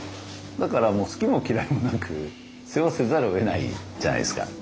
だからもう好きも嫌いもなく世話せざるをえないじゃないですか。